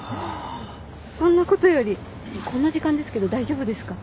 そんなことよりこんな時間ですけど大丈夫ですか？